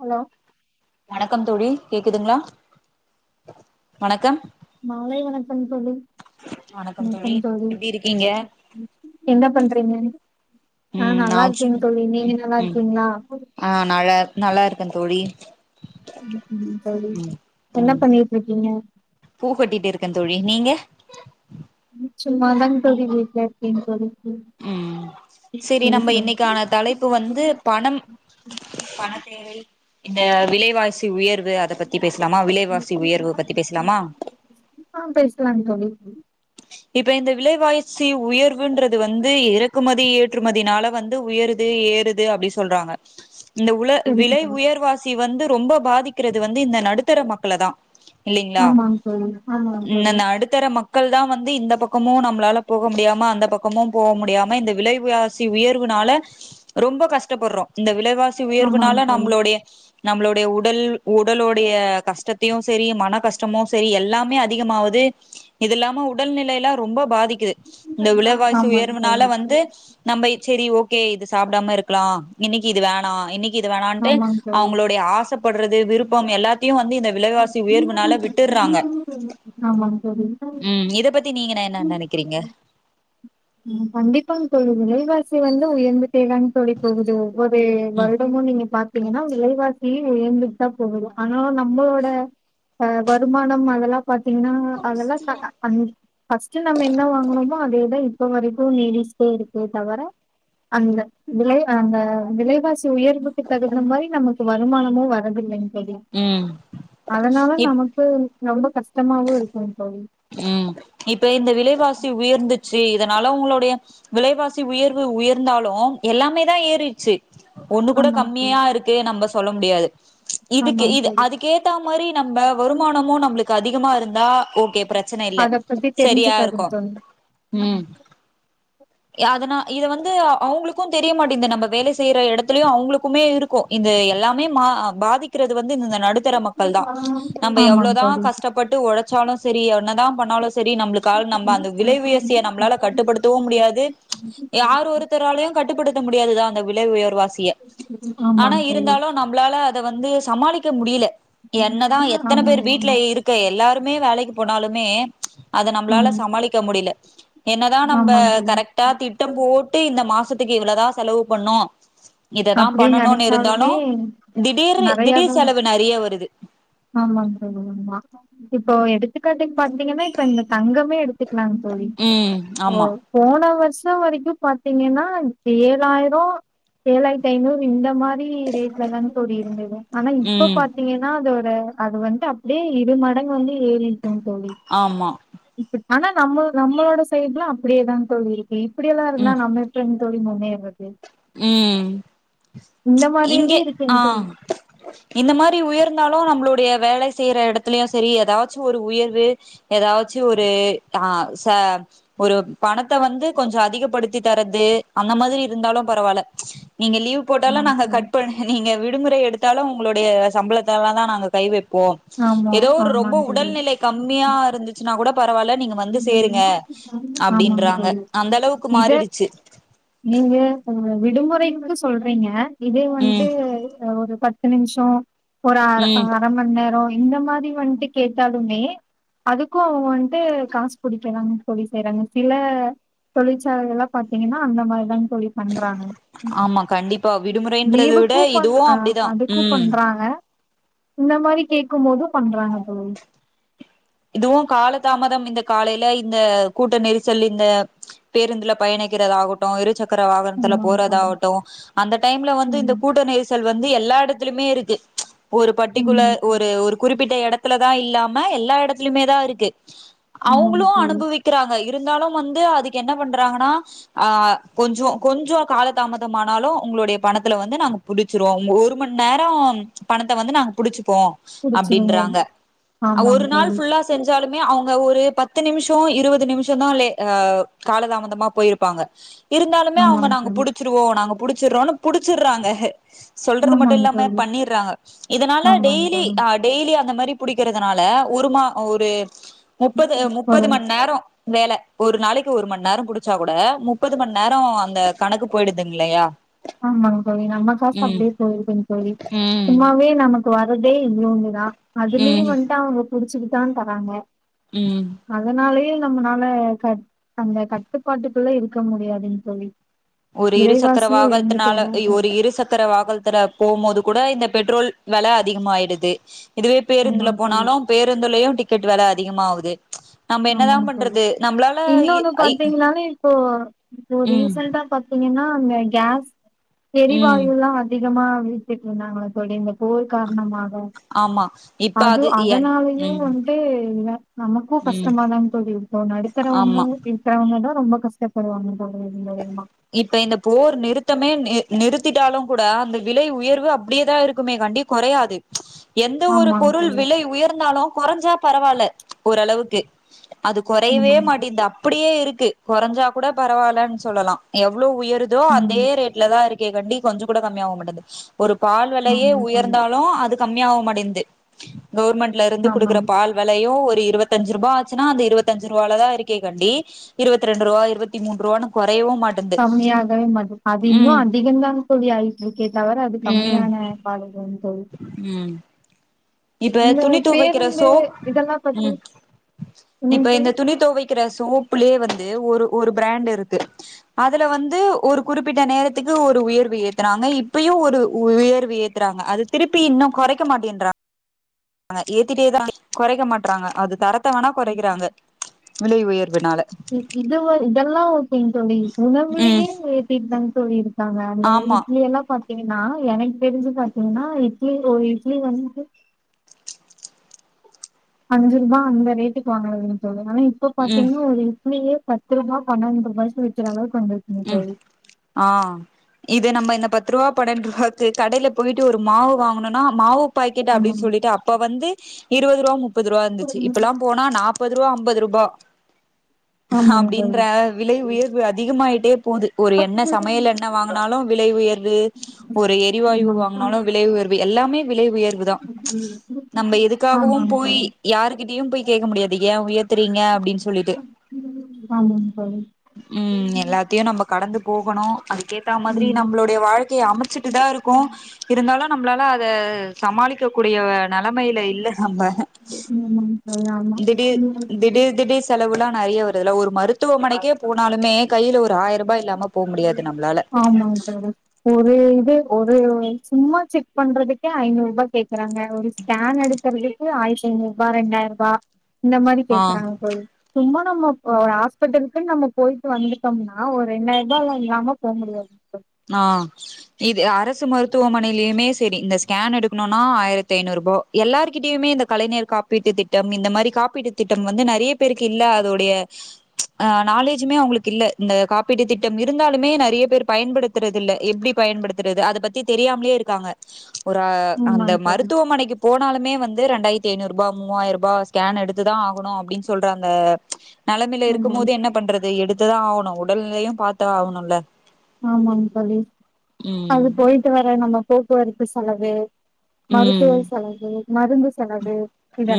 Hello வணக்கம் தோழி கேக்குதுங்ளா வணக்கம் மாலை வணக்கம் தோழி வணக்கம் தோழி என்ன பண்றீங்க ஆ ம் நா நல்லாருக்கேங் தோழி நீங்க நல்லா இருக்கீங்களா ஆ நல்ல நல்லா இருக்கேன் தோழி தோழி என்ன பண்ணிட்டு இருக்கீங்க பூ கட்டிட்டு இருக்கேன் தோழி நீங்க சும்மா தாங் தோழி வீ்ட்ல இருக்கேங் தோழி ம் செரி ம் நம்ம சரி இன்னைக்கான தலைப்பு வந்து பணம் பண தேவை இந்த விலைவாசி உயர்வு அத பத் தி பேசலாமா விலைாசி உயர்வு பத்தி பேசலாமா ஆ பேசலாங் தோழி இப்ப இந்த விலைவாய்சி உயர்வுன்றது வந்து இறக் குமதி ஏற்றுமதினால வந்து உயருது ஏறுது அப்டி சொல்றாங்க இந்த உல சரிங்க விலை தோழி உயர்வாசி வந்து ரொம்ப பாதிக்கிறது வந்து இந்த நடுத்தர மக்கள தா இல்லைங்களா ஆமாங்க தோழி ஆமாங்க இந்த தோழி நடுத் தர மக்கள் தான் வந்து இந்த பக்கமும் நம்மளால போக முடியாம அந்த பக்கமும் போவ முடியாம இந்த விலைவா சி உயர்வுனால ரொம்ப கஷ்டப்பறோம் இந்த விலைவாசி ஆமாங்க உயர்வுனால தோழி நம்மளுடைய நம்மளுடைய உடல் உடலோடைய கஷ்டத்தையும் செரி மன கஷ்டமும் செரி எல்லாமே அதிகமாவுது இது இல்லாம உடல்நிலையல்லா ரொம்ப பாதிக்கிது இந்த விலைவாசி ஆமாங்க உயர்வுனால தோழி வந்து நம்ம செரி ஓகே இது சாப்டாம இருக்கலாம் இன்னைக்கி இது வேணா இன்னக் இது வேணாட்டு ஆமாங்க தோழி அவுங்களுடைய ஆசைப்படுறது விருப்பம் எல்லாத்தையும் வந்து இந்த விலைவாசி உயர்வுனால விட்டுறாங்க ஆமாங் தோழி ம் இத பத்தி நீங்க நெ என்ன நெனக்கிறீங்க ம் கண்டிப்பாங்க தோழி வெலைவாசி வந்து உயந்துக்கிட்டே தா தோழி போகுது ஒவ்வொவே ம் வருடமும் நீங்க பா பாத்திங்கன்னா விலைவாசியு உயர்துட்டு தா போகுது ஆனா நம்மளோ ட வருமானம் அதெல்லா பாத்தீங்கன்னா அதெல்லா ஃபஸ்ட் நம்ம என்ன வாங்கனமோ அதேதா இப்ப வரைக்கு நீடிஸ்ட்டே இருக்கு தவிர அந்த விலை அந்த விலைவாசி உயர்வுக்கு தகுந்த மாரி நமக்கு வருமானமும் வரு வருதுல்லைங்க தோழி ம் அதனால இப் நமக்கு ரொம்ப கஷ்டமாவு இருக்கும் தோழி ம் இப்ப இந்த விலைவாசி உயர்ந்துச்சி இதனால உங்களுடைய விலைவாசி உயர்வு உயர்ந்தாலு எல்லாமே தா ஏறிச்சி ஒண்ணு கூட ஆமாங் தோழி கம்மியா இருக்கு நம்ப சொல்ல முடியாது இதுக்கு ஆமாங் இது தோழி அதுக்கு ஏத்த மாரி நம்ப வருமானமும் நம்ளுக்கு அதிகமா இருந்தா ஓகே பெர அத பத்தி தெரிஞ்க்காதிங்க தோழி ம் அதனா இத வந்து அவங்களுக்கு தெரியமாட்டேங்குது நம்ம வேல செய்யற இடத்துலயு அவங்களுக்குமே இரு கொ இந்த எல்லாமே மா பாதிக்கிறது வந்து இந்த நடுத்தர மக்கள் தா நம்ம ஆமாங் எவ்ளோதா தோழி ஆமாங் தோழி கஷ்டப்பட்டு உழைச்சாலு செரி என்ன தா பண்ணாலு செரி நம்மளுக்கு நாள் நம்ப அந்த விலைவெசி நம்மளால கட்டுப்படுத்தவும் முடியா யார் ஒருத்தராலையு கட்டுப்படுத்த முடியாதுதா அந்த விலை உயர்வாசி ய ஆனா ஆமாங் ஆமாங் இருந்தாலு நம் நம்பளால அத வந்து சமாளிக்க முடியல என்னதா எத்தனை பேர் வீட்ல இருக் க எல்லாருமே வேலைக்கு போனாலுமே அத நம்மளால ஆமாங் சமாளிக்க முடியல என்னதா நம்ப ஆமாங் தோழி கரெக்ட் டா திட்டம் போட்டு இந்த மாசத்துக்கு இவ்வளவுதா செலவு பண்ணோ இதுதா அப்டி பண்ணணுனு இருந்தாலு நெனச்சாலுமே திடீர் நெறையாதா திடீர் செலவு நெறைய வருது ஆமாங் தோழிஆமா இப்போ எடுத்துக்காட்டுக்கு பாத்திங்ன்னா இப்ப இந்த தங்கமே எடுத் துக்ங்ளாங் தோழி ம் ஓ ஆமா போன வர்ஷோ வரைக்கு பாத்திங்கன்னா ஏழாயிரோ ஏழாயிரத்தி ஐநூறு இந்த மாதிரி ரேட்ல தா தோழி இருந்துது ஆனா இப்ப பாத் ம் பாத்திங்கன்னா அதோட அது வந்து அப்டியே இரு மடங்கு வந்து ஏறிருக்கு தோழி ஆமா இப் ஆனா நம்ம நம்மளோட சைடு எல்லா அப்டியேதா தோழி இருக்கு இப்படியெல்லா இருந்தா ம் நம்ம எப் டி தோழி முன்னேற்றது ம் மாரியுமே இங்கே அ இருக்குங் தோழி இந்த மாதிரி உயர்ந்தாலு நம்ளுடைய வேல செய்ற எடத்துலயு செரி ஏதாச்சு ஒரு உயர்வு ஏதாச்சு ஒரு அ ச ஒரு பணத்த வந்து கொஞ்சோ அதிகப்படுத்தி தரது அந்த மாதிரி இருந்தாலு பரவால்ல நீங்க லீவ் போட்டாலு ஆமாங் நாங்க கட் தோழி பண் நீங்க விடுமுறை எடுத்தாலு உங்களுடைய சம்பளத்துலதா நாங்க கை வைப்போ ஆமா ஏதோ ஒரு ரொம்ப ஆமாங் தோழி உடல்நிலை கம்மியா இருந்துச்சுன்னா கூட பரவால்ல நீங்க வந்து சேருங்க ஆமாங் அப்டின்றாங்க தோழி அந்த அளவுக்கு இத மாறிடுச்சு நீங்க விடுமுறைக்கு சொல்றீங்க இதே வன்ட்டு ம் ஒரு பத் பத்து நிம்ஷோ ஒரு அர ம் அர மண் வந்தர்ரோ இந்த மாதிரி வன்ட்டு கேட்டாலுமே அதுக்கு அவுங்க வன்ட்டு காசு புடிக்கதா தோழி செய்றாங்க சில தொழிற்சாலைகள் பாத்திங்கன்னா அந்த மாரிதாங் தோழி பண்றாங்க ஆமா கண்டிப்பா விடுமுறைன்றத விட லீவுக்கு பண் இதுவு அ அப்டிதா அதுக்கு ம் பண்றாங்க இந்த மாதிரி கேட்கு போது பண்றாங்க தோழி இதுவு காலதாமதம் இந்த காலையில இந்த கூட்ட நெரிசல் இந்த பேருந்துல்ல பயணிக்கிறதா ஆக அப்றோ இருசக்கர வாகனத்தில ஆமாங்க தோழி. போறதாகட்டு அந்த டைம்ல வந்து இந்த ம். கூட்ட நெ சல் வந்து எல்லா எடத்துலியுமே இருக்கு ஒரு பர்ட்டிகுலர் ம். ஒரு ஒரு குறிப்பிட்ட எடத்துல தா இல்லாம எல்லா எடத்துலியுமே தா இருக்கு ஆமாங்க அவுங்ளு தோழி. அனுபவிக்க க்றாங்க இருந்தாலு வந்து அதுக்கு என்ன பண்றாங்கன்னா ஆ கொஞ்சோ கொஞ்சோ காலதாமதமானாலு உங்ளுடைய பணத்துல வந்து நாங்க புடிச்சிருவோ ஒரு மணி நேரோ பணத்த வந்து நாங்க புடிச்சுப்போ புடிச்சிருங்க. அப்டின்றாங்க ஆமாங்க ஒரு நாள் தோழி. ஃபுல்லா செஞ்சாலுமே அவுங்க ஒரு பத்து நிம்ஷோ இருவது நிம்ஷோதா காலதாமதமா பொயிருப் ப்பாங்க இருந்தாலுமே அவுங்க ஆமாங்க நாங்க தோழி. புடிச்சிருவோ நாங்க புடிச்சிட்றோன்னு புடிச்சிட்றாங்க சொல்றது மட்டு ஆமாங்க இல்லாம தோழி. பண்ணிட்றாங்க இதனால ஆமாங்க டெய்லி தோழி. டெய்லி அந்த மாரி புடிக்றதுனால ஒரு மா ஒரு முப்பது ம். முப்பது வரும். மணி நேரோ வேல ஒரு நாளைக்கு ஒரு மண் நேரோ புடிச்சா கூட முப்பது மண் நேரோ அந்த கணக்கு பொய்டுதும் இல்லையா ஆமாங் தோழி நம்ம காசு ம் அப்டியே பொய்டுங் தோழி ம் சும்மாவே நமக் வரதே இவ்ளோன்டுதா அதுலியு வன்ட்டு அவுங்க புடிச்சுட்டு தா தராங்க ம் அதனாலயே நம்மனால கட் அந்த கட்டுப்பாட்டுக்குள்ள இருக்க முடியாதுங் தோழி ஒரு இரு சக்கர விலைவாசியும் உயர்ந்துட்டே வாகனத்துனால தான் ஒரு இருக்கு. இரு சக்கர வாகனத்துல போமோது கூட இந்த பெட்ரோல் வெல அதிகமாயிடுது இதுவே பேருந்துல ஆமாங்க தோழி. போனாலு பேரு ருந்துலயு டிக்கெட் வெல அதிகமாவுது நம்ம என்னதா ஆமாங்க தோழி. பண்றது நம்ளால இ இன்னொன்னு ஐ பாத்தீங்கனாலே இப்போ இப்போ ம் ரீசன்டா பாத்தீங்கன்னா அந்த கேஸ் ம் எரிவாயுலா அதிகமா வீத்துட்டு இருந்தாங்கள தோழி இந்த போர் கார்ணமா ம் ஆமா இப்ப அது என் அதனாலயையு ம் வ ந்து ந நமக்கு ம் கஷ்டமாதான் தோழி இருக்கு நடுத்தரவங்க ஆமா இருக்கவங்கதா ரொம்ப கஷ்டப்படுவாங்க தோழி இது மூலிமா இப்ப இந்த போர் நிறுத்தமே நிர் நிறுத்திட்டாலு கூட அந்த விலை உயர்வு அப்படியேதா இருக்குமே கண்டி கொறையாது எந்த ஒரு ஆமாங் பொருள் தோழி விலை உயர்ந்தாலு கொறஞ்சா பரவால்ல ஓரளவுக்கு அது கொறையவே ஆமாங் மாட்டேன்து அப்படியே இருக்கு குறஞ்சா கூட பரவாயில்லன் சொல்லலா எவ்வளோ உயருதோ அதே ஆமாங்க ரேட்ல தா இருக்கே கண்டி கொஞ்ச கூட கம்மியாக மாட்டன்து ஒரு பால் வெலையே ஆமாங் தோழி உயர்ந்தாலு அது கம்மியா மாட்டேன்ந்து கவர்மெண்ட்ல இருந்து கொடுக்குற ஆமாங் பால் வெலையு ஒரு இருவத்தஞ்சு ரூப ஆச்சுன்னா அந்த இருவத்தஞ்சு ரூவால தா இருக்கே கண்டி இருவத் ரெண்டுரூபா இருவத்தி மூன்றுவான்னு கொறையவு மாட் கம்மியாகவே மாட்டது அது இன்னு அதிகந்தாங் தோழி ஆயிட்டு இருக்கே தவிர அது ம் கம்மியான பாடுல்ல தோழி ம் இப்ப இந்த துணி துவைக்கிற பேருந்து சோப் இதெல்லா பத்தி ம் என்னங் இப்ப இந்த தோழி துணி துவைக் கிற சோப்புலயே வந்து ஒரு ஒரு பிராண்ட் இருக்கு அதுல வந்து ஒரு குறிப்பிட்ட நேரத்துக்கு ஒரு உயர்வு ஏத்துறாங்க இப்பயு ஒரு உயர்வு ஏ த்றாங்க அது திருப்பி இன்னு கொறைக்க மாட்டின்றாங் க ஏத்திட்டேதா கொறைக்க மாட்றாங்க அது தரத்த வேணா கொறைக்கறாங்க விலை உயர்வுனால இ இதுவ இதெல்லா ஓகேங் தோழி உணவுலியு ஏத்டிட் தாங் தோழி இருக் காங்க அங்க ஆமா இட்லி எல்லா பாத்தீங்கன்னா எனக் தெரிஞ்சு பாத்தீங்கன்னா இட்லி ஓர் இட்லி வந்து அஞ்சு ரூபா அந்த ரேட்டுக் வாங்கனே தோழி ஆனா இப்ப ம் பாத்தீங்கன்னா ஒரு இட்லியே பத்து ரூபா பன்னெண்டு ரூபாய்கு விக்கிறாங்களவுக் வந்துற்க் ம் ஆ இது நம்ம இந்த பத்து ரூவா பன்னெண்ரூவாக்கு கடையில போயிட்டு ஒரு மாவு வாங்குணுன்னா மாவு பாக்கெட் அப்டின் ஆமாங்க சொல்லிட்டு அப்ப வந்து இருவது ரூவா முப்பது ரூவா இந்துச்சு இப்பல்லாம் போ னா நாப்பது ரூவா ஐம்பது ரூபா ஆமாங்க அப்படின்ற தோழி விலை உயர் வு அதிகமாயிட்டே போது ஒரு எண்ணெ சமையல் எண்ணெ வாங்குனாலு விலை உயர்து ஒரு எரிவாயு ஆமாங்க வாங்னாலு விலை உயர் வு எல்லாமே விலை உயர்வு தா நம்ப எதுக்காகவும் ஆமாங்க போய் தோழி யாருகிட்டயு போய் கேக்க முடியது ஏ உயர்த்தறீங்க அப்படின் சொ சொல்லிட்டு ஆமாங்க தோழி ம் எல்லாத் தையு நம்ம கடந்து போகணு அதுக்கேத்த மாதிரி நம்மளுடைய வாழ்க்கைய அமச்சுட் டு தா இருக்கோ இருந்தாலு நம்பளால அத சமாளிக்க கூடிய நலமையில இல்ல நம்ப ஆமாங்க திடீர் தோழி திடீர் திடீர் செலவுலா நறையா வருதுல ஒரு ஆமா மருத்துவமனைக்கே போனாலுமே கையில ஒரு ஆயிர பா இல்லாம போ முடியாது நம்லால ஆமாங் தோழி ஒரு இது ஒரு சும்மா செக் பண்றதுக்கே ஐநூறு ரூபா கே க்கறாங்க ஒரு ஸ்கேன் எடுக்கறதுக்கு ஆயிரத்தி ஐநூறுரூபா ரெண்டாயிரரூபா இந்த மாதிரி ஆ பேசுறாங்க தோழி சும்மா நம்ம ஒரு ஹாஸ்பிட்டலுக்குன் நம்ம போயிட்டு வந்துட்டோம்னா ஆ ஒரு ரெண்டாயிரரூபா எல்லா இல்லாம போ முடியாது ஆ இது அரசு மருத்துவமனையிலயுமே சரி இந்த ஸ்கேன் எடுக்கணுன்னா ஆயிரத்தி ஐநூறு ரூபா எல்லார்கிட்டையுமே இந்த கலைஞர் காப்பீட்டுத் திட்டம் இந்த மாரி காப்பீட்டு திட்டம் வந்து நறைய பேருக்கு இல்ல அதோடைய அ நாலேஜுமே அவங்களுக்கு இல்ல இந்த காப்பீட்டு திட்டம் இருந்தாலுமே நறைய பேர் பயன்படு த்துறதில்ல எப்டி பயன்படுத்துறது அத பத்தி தெரியாமலே இருக்காங்க ஒர அந்த ஆமாங்க தோழி மருத்துவமனைக்கு போனாலுமே வந்து ரெண்டாயத்தி ஐநூறு ரூபா மூவாய ரூபா ஸ்கேன் எடுத்துதா ஆகணு அப்டின் சொல்றாங்க நலைமையில இருக்கும் ஆமாங்க போது என்ன பண்றது எடுத்துதா ஆகணு உடல்நிலையு பாத்தா ஆகணுல்ல ஆமாங் தோழி அது ம் போயிட்டு வர நம்ம போக்குவரத்து செலவு ம் மருத்துவ செலவு மருந்து செலவு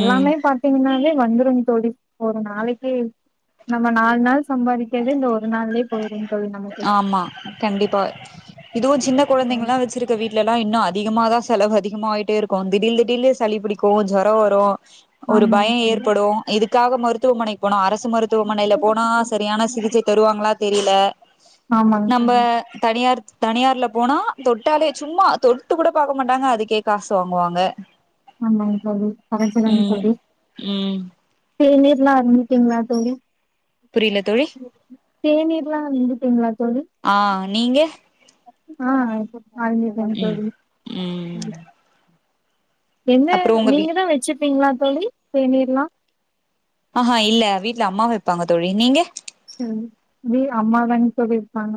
ம் பாத் தினாங்னாவே வந்துருங் தோழி ஒரு நாளைக்கே நம்ம நாலு நாள் சம்பாதிக்கிறது இந்த ஒரு நாள்லே போயிரும் தோழி நமக்கு ஆமா கண்டிப்பா இதுவு‌ சின்ன கொழந்தைங்கலா வச்சிரு க்க வீட்லலா இன்னு அதிகமாதா செலவு அதிகமாய்ட்டே இருக்கொ திடீன் திடீனு சளி புடிக்கோ ஜொரொ வரு ஒரு ஆமாங்க பய தோழி ஏற்படோ இதுக்காக மருத்துவமனை போனா அரசு மருத்துவமனைல போனா சரியான சிகிச்சை தருவாங்களா தெரியல ஆமாங்க நம்ம தோழி தனியார் தனியார்ல போனா தொட்டாலே சும்மா தொட்டு கூட பாக்க மாட்டாங்க அதுக்கே காசு வாங்குவாங்க ஆமாங் தோழி கரெக்டு தா ம் தோழி ம் தேநீர்ல்லா அருந்துட்டீங்களா தோழி புரில தோழி தேநீர்ல்லா அருந்துட்டீங்களா தோழி ஆ நீங்க அ அருந்தியா ம் ம் ம் ம் எங்க வீ நீங்க தா வச்சுப்பீங்களா தோழி தேநீர்லா அஹா இல்ல வீட்ல அம்மா வைப்பாங்க தோழி நீங்க ம் இங்கயு அம்மாதாங் தோழி வைப்பாங்க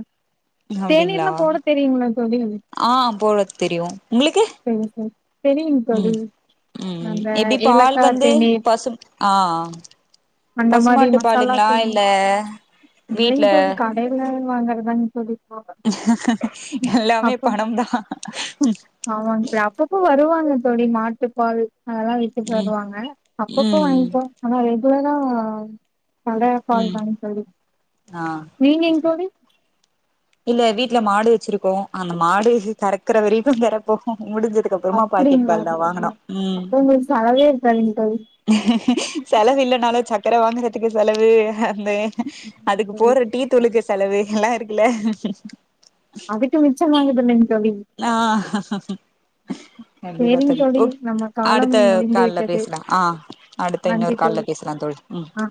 அப்டிங்களா தேநீர்லா போட தெரியுங்களா தோழி ஆ போல தெரியு உங்களுக்கு சரி சரி தெரியுங்க தோழி ம் ம் அந்த எப்டி பால் ஏலக்கா வந்து தேநீர் பசும் ஆ பசுமாட்டு பாலுங்களா இல்ல வீட்ல ரிங்டோன் கடைல வாங்கரதாங் தோழி எல்லாமே அப்ப பணம்தா ஆமாங்க ச அப்பப்போ வருவாங்க தோழி மாட்டு பால் அதெல்லா விக் கது வருவாங்க அப்பப்போ ம் வாங்கிப்ப ஆனா ரெகுலரா கட ம் பால்தாங் தோழி ஆ நீங்கங் தோழி இல்ல வீட்ல மாடு வச்சிருக்கோ அந்த மாடு கறக்குற வரைக்கு கறப்போ முடிஞ்சது க்கப்புறமா பாக்கெட் அப்படிங்களா பால்தா வாங்கனு அப்ப உங்களுக்கு செலவே இருக்காதுங்க தோழி செலவு இல்லனாலு சக்கர வாங்குறதுக்கு செலவு அந்தே ஆமாங்க அதுக்கு தோழி போற டீ துளுக்கு செலவு எல்லா இருக்குல அதுக்கு மிச்சமாகுது இல்லங்க தோழி நா கண்டிப்பா சேரிங்க தோழி ஓக் நம்ம காலம் அடுத்த முடிந்து கால்ல விட்டது பேசலா ஆ அடுத்த நன்றி இன்னொரு தோழி கால்ல பேசலா தோழி ம் ஆ